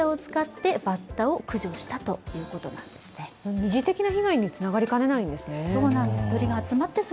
二次的な被害につながりかねないんですね。